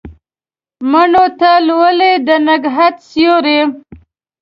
مڼو ته لولي د نګهت سیوري